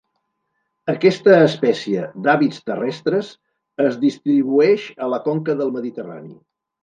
Aquesta espècie d'hàbits terrestres es distribueix a la conca del Mediterrani.